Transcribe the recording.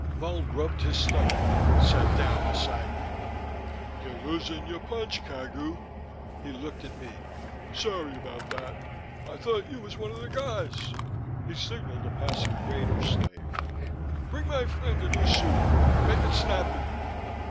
Mull rubbed his stomach, sat down beside me. "Ya losin' your punch, Cagu." He looked at me. "Sorry about that. I thought you was one of the guys." He signaled a passing waiter slave. "Bring my friend a new suit. Make it snappy."